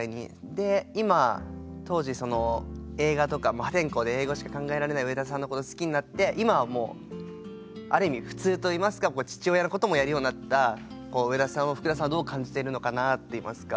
で今当時映画とか破天荒で映画しか考えられない上田さんのこと好きになって今はもうある意味普通といいますか父親のこともやるようになった上田さんをふくださんはどう感じているのかなっていいますか。